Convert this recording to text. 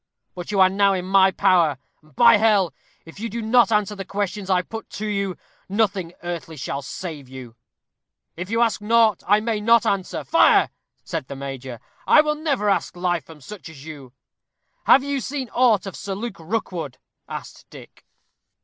But you are now in my power, and by hell! if you do not answer the questions I put to you, nothing earthly shall save you." "If you ask aught I may not answer, fire!" said the major; "I will never ask life from such as you." "Have you seen aught of Sir Luke Rookwood?" asked Dick.